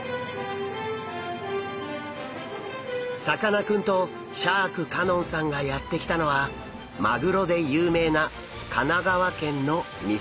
さかなクンとシャーク香音さんがやって来たのはマグロで有名な神奈川県の三崎漁港。